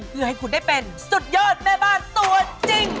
เพื่อให้คุณได้เป็นสุดยอดแม่บ้านตัวจริง